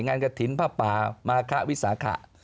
งานกระทินผ้าปลามารคะวิสาขะ